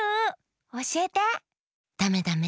ダメダメ！